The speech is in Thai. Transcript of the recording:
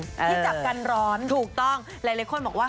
ที่จับกันร้อนถูกต้องหลายคนบอกว่า